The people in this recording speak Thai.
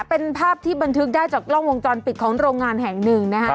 เป็นภาพที่บันทึกได้จากกล้องวงจรปิดของโรงงานแห่งหนึ่งนะครับ